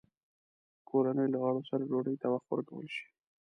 د کورنۍ له غړو سره ډوډۍ ته وخت ورکول شي؟